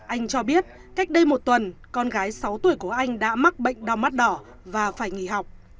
anh cho biết cách đây một tuần con gái sáu tuổi của anh đã mắc bệnh đau mắt đỏ và phải nghỉ học